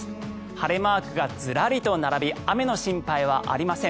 晴れマークがズラリと並び雨の心配はありません。